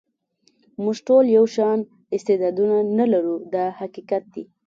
موږ ټول یو شان استعدادونه نه لرو دا حقیقت دی.